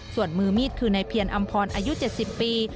ส่วนมือมีดคือนายเพียรอำพรอายุ๗๐ปี